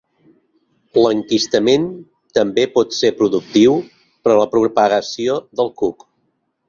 L'enquistament també pot ser productiu per a la propagació del cuc.